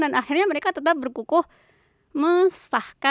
dan akhirnya mereka tetap berkukuh